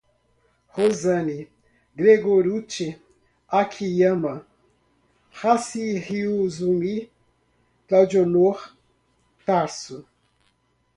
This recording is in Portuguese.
Rosani Gregorutti Akiyama Hashizumi, Claudionor, Tarso